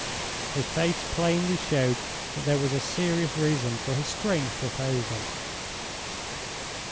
His face plainly showed that there was a serious reason for his strange proposal.